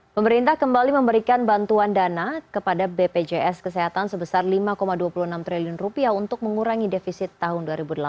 pemerintah kembali memberikan bantuan dana kepada bpjs kesehatan sebesar lima dua puluh enam triliun untuk mengurangi defisit tahun dua ribu delapan belas